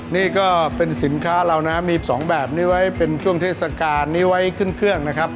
นี่ก็เป็นสินค้าเรานะครับมี๒แบบนี้ไว้เป็นช่วงเทศกาลนี้ไว้ขึ้นเครื่องนะครับ